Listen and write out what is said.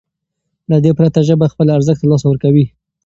له دې پرته ژبه خپل ارزښت له لاسه ورکوي.